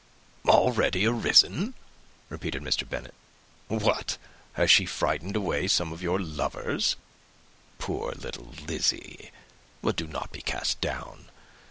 "Already arisen!" repeated Mr. Bennet. "What! has she frightened away some of your lovers? Poor little Lizzy! But do not be cast down.